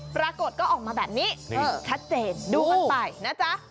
ปรากฏก็ออกมาแบบนี้ชัดเจนดูกันไปนะจ๊ะ